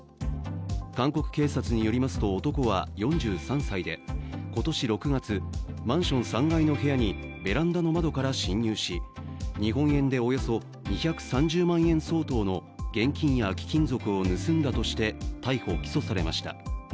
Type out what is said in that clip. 韓国警察によりますと男は４３歳で今年６月、マンション３階の部屋にベランダの窓から侵入し日本円でおよそ２３０万円相当の現金や貴金属を盗んだとして逮捕・起訴されました。